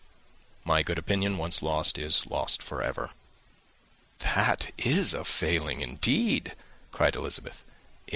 My good opinion once lost is lost for ever." "That is a failing, indeed!" cried Elizabeth.